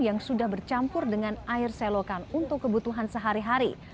yang sudah bercampur dengan air selokan untuk kebutuhan sehari hari